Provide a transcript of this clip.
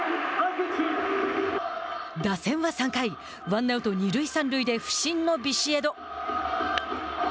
打線は３回、ワンアウト、二塁三塁で不振のビシエド。